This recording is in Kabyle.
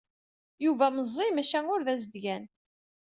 Yuba meẓẓi, maca ur d azedgan.